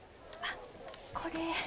あっこれ。